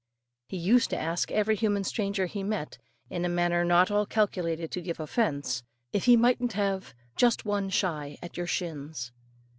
He used to ask every human stranger he met, in a manner not at all calculated to give offence, if he mightn't have "just one shy at your shins."